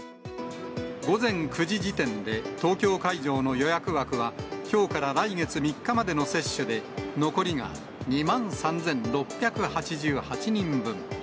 午前９時時点で、東京会場の予約枠はきょうから来月３日までの接種で、残りが２万３６８８人分。